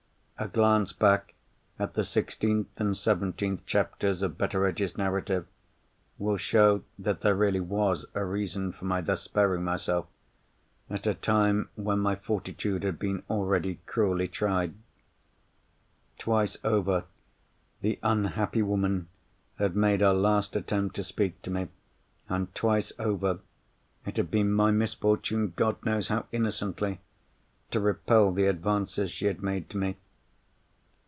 A glance back at the sixteenth and seventeenth chapters of Betteredge's Narrative will show that there really was a reason for my thus sparing myself, at a time when my fortitude had been already cruelly tried. Twice over, the unhappy woman had made her last attempt to speak to me. And twice over, it had been my misfortune (God knows how innocently!) to repel the advances she had made to me.